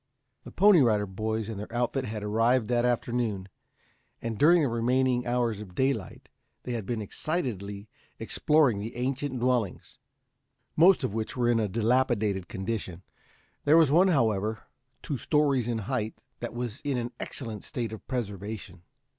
The Pony Rider Boys and their outfit had arrived that afternoon, and during the remaining hours of daylight they had been excitedly exploring the ancient dwellings, most of which were in a dilapidated condition. There was one, however, two stories in height, that was in an excellent state of preservation.